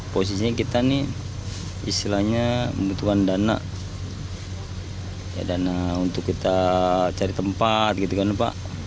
posisinya kita nih istilahnya membutuhkan dana dana untuk kita cari tempat gitu kan pak